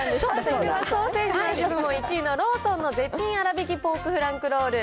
１位のローソンの絶品あらびきポークフランクロール。